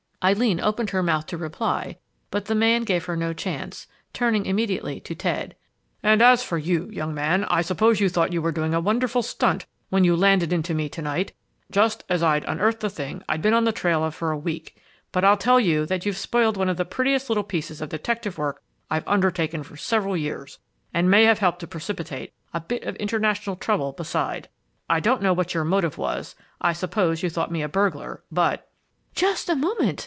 Eileen opened her mouth to reply, but the man gave her no chance, turning immediately to Ted. "And as for you, young man, I suppose you thought you were doing a wonderful stunt when you landed into me to night, just as I'd unearthed the thing I've been on the trail of for a week; but I'll have to tell you that you've spoiled one of the prettiest little pieces of detective work I've undertaken for several years, and may have helped to precipitate a bit of international trouble, beside. I don't know what your motive was, I suppose you thought me a burglar, but "Just a moment!"